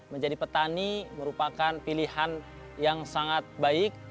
menjadi petani merupakan pilihan yang sangat baik